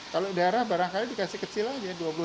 kalau darah barangkali dikasih kecil aja